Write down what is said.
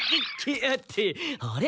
ってあれ？